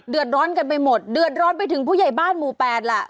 เดือดร้อนกันไปหมดเดือดร้อนไปถึงผู้ใหญ่บ้านหมู่แปดล่ะ